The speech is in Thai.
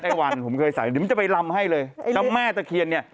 เดี๋ยวมันจะไปลำให้เลย